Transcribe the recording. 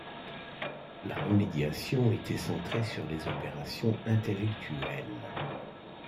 La remédiation était centrée sur les opérations intellectuelles.